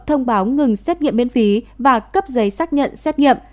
thông báo ngừng xét nghiệm miễn phí và cấp giấy xác nhận xét nghiệm